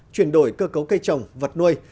chuyển đổi cơ cấu cây trồng vật nuôi